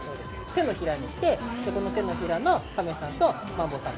手のひらにしてこの手のひらのカメさんとマンボウさん